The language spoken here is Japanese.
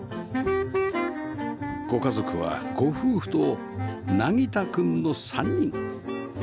ご家族はご夫婦と凪汰くんの３人